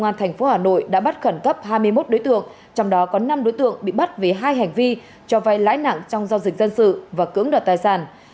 cơ quan thành phố hà nội đã bắt khẩn cấp hai mươi một đối tượng trong đó có năm đối tượng bị bắt vì hai hành vi cho vay lãi nặng trong giao dịch dân sự và cưỡng đoạt tài sản